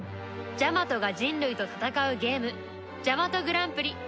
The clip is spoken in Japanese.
ジャマトが人類と戦うゲームジャマトグランプリ